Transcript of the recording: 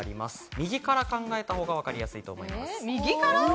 右から考えたほうがわかりやすいと思います。